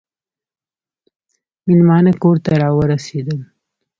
مېلمانه کور ته راورسېدل .